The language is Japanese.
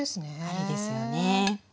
ありですよね。